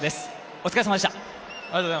お疲れさまでした。